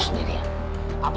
ketika di rumah